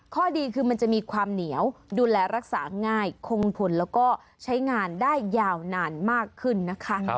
ข้อดีคือมันจะมีความเหนียวดูแลรักษาง่ายคงผลแล้วก็ใช้งานได้ยาวนานมากขึ้นนะคะ